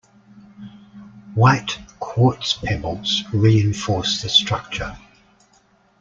White quartz pebbles reinforce the structure.